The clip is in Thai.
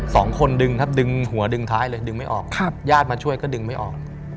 คนหนึ่งครับดึงหัวดึงท้ายเลยดึงไม่ออกครับญาติมาช่วยก็ดึงไม่ออก